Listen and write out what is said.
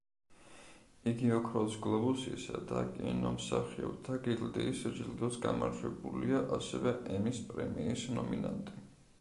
იგი ოქროს გლობუსისა და კინომსახიობთა გილდიის ჯილდოს გამარჯვებულია, ასევე ემის პრემიის ნომინანტი.